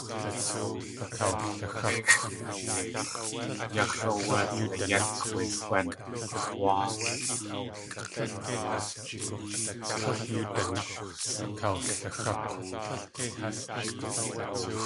Tléixʼ k̲ʼateil yáx̲ áwé liyék wéi xén.